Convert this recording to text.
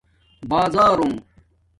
بازارونݣ